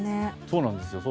そうなんですよ。